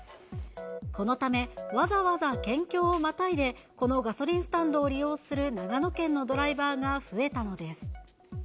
このため、わざわざ県境をまたいでこのガソリンスタンドを利用する長野県のドライバーが増えたのです。